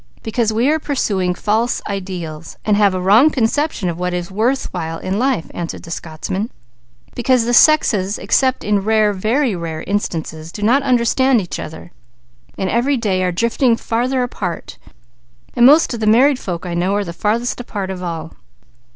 "Because we are pursuing false ideals, we have a wrong conception of what is worth while in life," answered the Scotsman. "Because the sexes except in rare, very rare, instances, do not understand each other, and every day are drifting farther apart, while most of the married folk I know are farthest apart of all.